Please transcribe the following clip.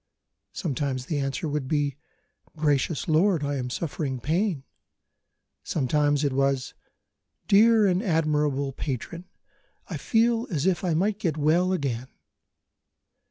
Sometimes the answer would be: "Gracious lord, I am suffering pain." Sometimes it was: "Dear and admirable patron, I feel as if I might get well again."